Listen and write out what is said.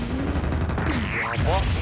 「やばっ！」